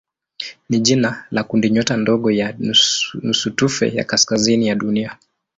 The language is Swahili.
ni jina la kundinyota ndogo ya nusutufe ya kaskazini ya Dunia.